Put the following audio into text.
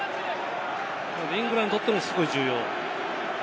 イングランドにとってもすごく重要。